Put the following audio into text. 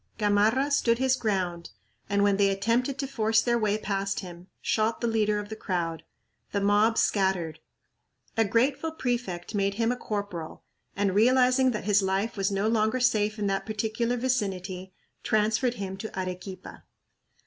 Gamarra stood his ground and, when they attempted to force their way past him, shot the leader of the crowd. The mob scattered. A grateful prefect made him a corporal and, realizing that his life was no longer safe in that particular vicinity, transferred him to Arequipa.